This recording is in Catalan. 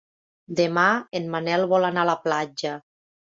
Demà en Manel vol anar a la platja.